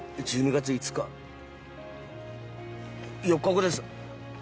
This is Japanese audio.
１２月５日４日後です。